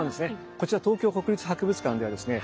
こちら東京国立博物館ではですね